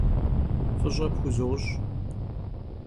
F'ış'e pxuzoş'.